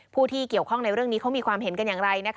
ผู้ที่เกี่ยวข้องในเรื่องนี้เขามีความเห็นกันอย่างไร